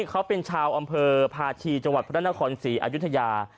เขาเป็นชาวอำเภอพาชีจังหวัดพระนครศรีอายุทยา